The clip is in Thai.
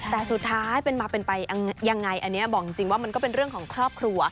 แต่สุดท้ายเป็นมาเป็นไปยังไงอันนี้บอกจริงว่ามันก็เป็นเรื่องของครอบครัว